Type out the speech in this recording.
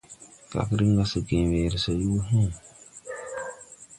Kag rin gà se gęę weere se yoo hee.